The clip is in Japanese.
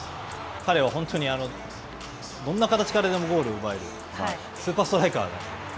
彼は本当にどんな形からでもゴールを奪える、スーパーストライカーです。